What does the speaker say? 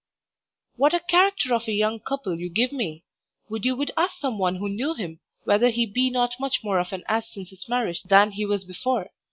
What a character of a young couple you give me! Would you would ask some one who knew him, whether he be not much more of an ass since his marriage than he was before.